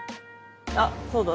あっそうだ。